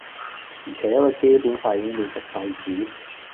完全係因為基本法已經變成廢紙